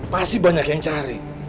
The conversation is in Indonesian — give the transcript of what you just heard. pasti banyak yang cari